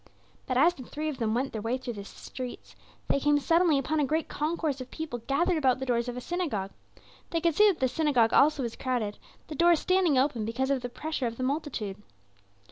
But as the three of them went their way through the streets, they came suddenly upon a great concourse of people gathered about the doors of a synagogue. They could see that the synagogue also was crowded, the doors standing open because of the pressure of the multitude.